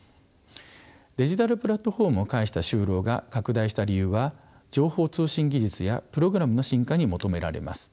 デジタルプラットフォームを介した就労が拡大した理由は情報通信技術やプログラムの進化に求められます。